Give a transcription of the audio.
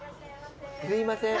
すいません。